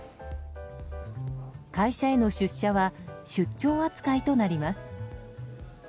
会社への出社は出張扱いとなります。